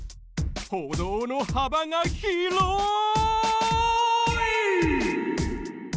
歩道の幅が広い！